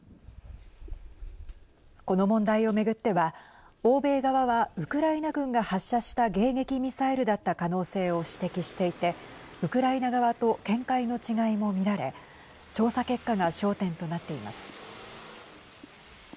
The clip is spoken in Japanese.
この問題を巡っては欧米側はウクライナ軍が発射した迎撃ミサイルだった可能性を指摘していてウクライナ側と見解の違いも見られ調査結果が焦点となっています。